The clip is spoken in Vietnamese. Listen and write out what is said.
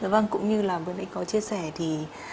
vâng cũng như là bữa nay anh có chia sẻ thì